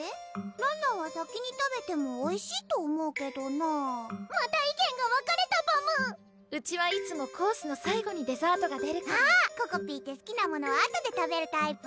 らんらんは先に食べてもおいしいと思うけどなぁまた意見が分かれたパムうちはいつもコースの最後にデザートが出るからあっここぴーってすきなものはあとで食べるタイプ？